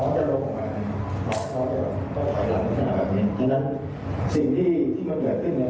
ซึ่งนายก็บอกว่ากวนชิงเรือจะเลยนบันคั่นที่นั้นมันสั้น